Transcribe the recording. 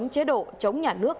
chế độ chống nhà nước